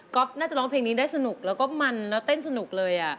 ก็น่าจะร้องเพลงนี้ได้สนุกแล้วก็มันแล้วเต้นสนุกเลย